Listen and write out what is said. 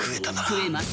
食えます。